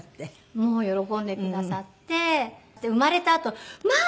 もう喜んでくださって生まれたあとまあ